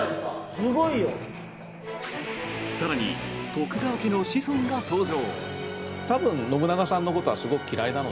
更に、徳川家の子孫が登場。